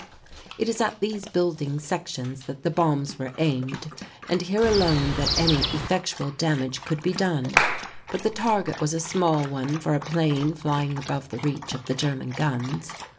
It is at these building sections that the bombs were aimed and here alone that any effectual damage could be done, but the target was a small one for a plane flying above the reach of the German guns.